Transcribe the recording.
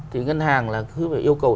thì ngân hàng là cứ phải yêu cầu